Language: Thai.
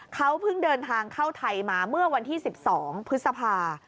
เขาเพิ่งเดินทางเข้าไทยมาเมื่อวันที่๑๒พฤษภา